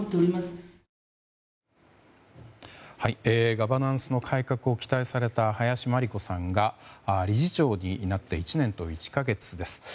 ガバナンスの改革を期待された林真理子さんが理事長になって１年と１か月です。